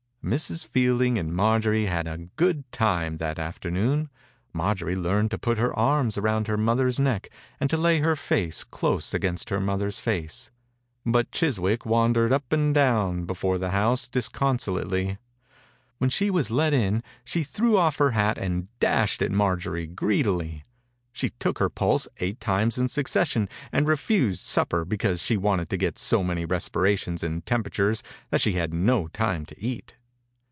Mrs. Fielding and Marjorie had a good time that afternoon. Marjorie learned to put her arms 78 THE INCUBATOR BABY around her mother's neck and to lay her face close against her mother's face, but Chiswick wan dered up and down before the house disconsolately. When she was let in she threw off her hat and dashed at Mar jorie greedily. She took her pulse eight times in succession and refused supper because she wanted to get so many respira tions and temperatures that she had no time to eat.